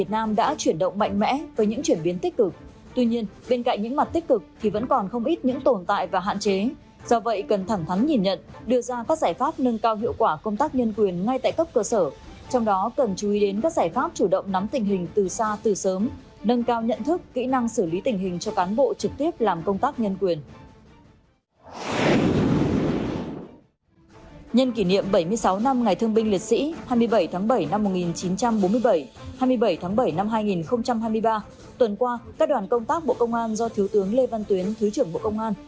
nhân kỷ niệm bảy mươi sáu năm ngày thương binh liệt sĩ hai mươi bảy tháng bảy năm một nghìn chín trăm bốn mươi bảy hai mươi bảy tháng bảy năm hai nghìn hai mươi ba tuần qua các đoàn công tác bộ công an do thiếu tướng lê văn tuyến thứ trưởng bộ công an